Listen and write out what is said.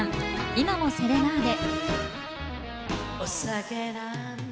「今もセレナーデ」。